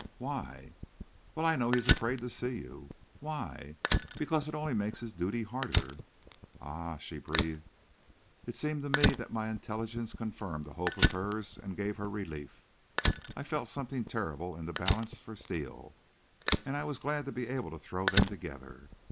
"Why?" "Well, I know he's afraid to see you." "Why?" "Because it only makes his duty harder." "Ah!" she breathed. It seemed to me that my intelligence confirmed a hope of hers and gave her relief. I felt something terrible in the balance for Steele. And I was glad to be able to throw them together.